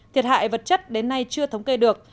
thiệt hại vật chất đến nay chưa thống kê được